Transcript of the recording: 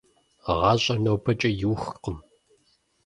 ГъащӀэр нобэкӀэ иухкъым…